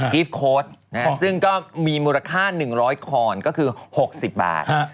รีฟโค้ดซึ่งก็มีมูลค่า๑๐๐คอนก็คือ๖๐บาท